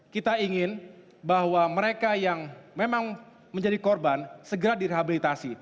kita ingin bahwa mereka yang memang menjadi korban segera direhabilitasi